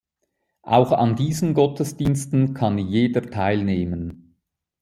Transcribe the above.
Auch an diesen Gottesdiensten kann jeder teilnehmen.